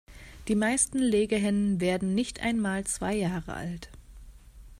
Die meisten Legehennen werden nicht einmal zwei Jahre alt.